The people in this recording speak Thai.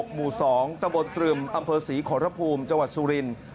หมู่๒ตะบนตรึมอำเภอศรีขอรภูมิจังหวัดสุรินทร์